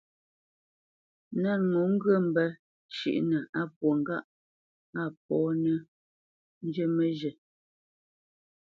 Nə̂t ŋo ŋgyə mbə́ shʉ́ʼnə á pwô ŋgâʼ á mbomə̄ nə́ njə məzhə̂.